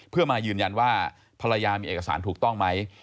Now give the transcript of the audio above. เพื่อมายืนยันว่าภรรยามีเอกสารถูกต้องไหม